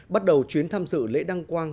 bắt đầu chuyến tham dự lễ đăng quang